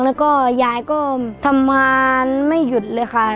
แล้วก็ยายก็ทำงานไม่หยุดเลยค่ะ